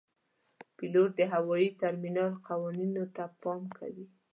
پیلوټ د هوايي ترمینل قوانینو ته پام کوي.